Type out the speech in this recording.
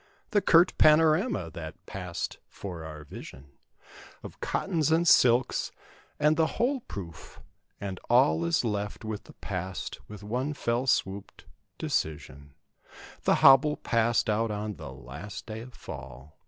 The curt panorama that passed 'fore our vision Of cottons and silks and the "hole proof" and all Is left with the past with one fell swooped decision— The "hobble" passed out on the last day of Fall.